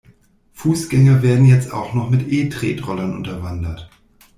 Fußgänger werden jetzt auch noch mit E-Tretrollern unterwandert.